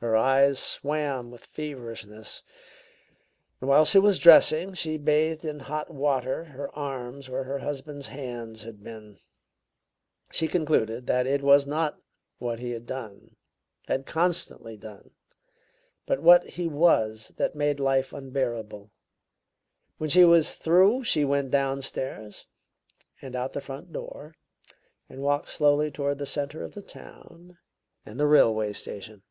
Her eyes swam with feverishness. While she was dressing, she bathed in hot water her arms where her husband's hands had been. She concluded that it was not what he had done had constantly done but what he was that made life unbearable. When she was through she went downstairs, and out of the front door, and walked slowly toward the center of the town and the railway station."